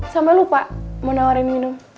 sampai lupa mau nawarin minum